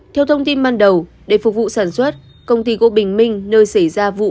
theo thông tin ban đầu để phục vụ sản xuất công ty gỗ bình minh nơi xảy ra vụ